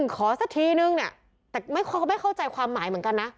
ขอสักทีหนึ่งแต่ไม่เข้าใจความหมายเหมือนกันนะ